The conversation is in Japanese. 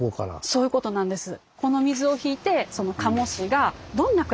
そういうことなんです。